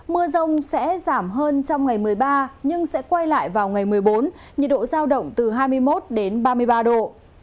mưa rông sẽ giảm hơn trong ngày một mươi ba nhưng sẽ quay lại vào ngày một mươi bốn nhiệt độ giao động từ hai mươi một đến ba mươi ba độ